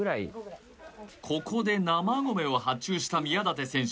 ここで生米を発注した宮舘選手